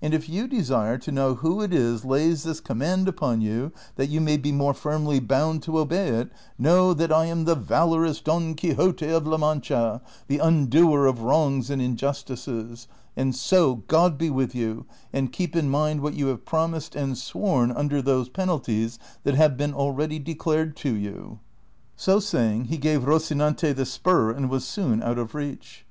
And if you desire to know who it is lays this command upon you, that you may be more firndy boiind to obey it, knoAv that I am the valorous Don Quixote of La Mancha, the undoer of wrongs and injustices ; and so, God be with you, and keep in mind what you have promised and sworn under those penal ties that have been already declared to you." So saying, he gave Rocinante the spur and was soon out of reach.